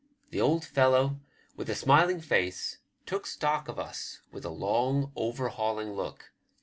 The old fellow, with a smiling face, took stock of us with a long overhauling look.